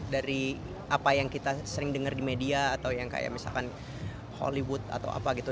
dari apa yang kita sering dengar di media atau yang kayak misalkan hollywood atau apa gitu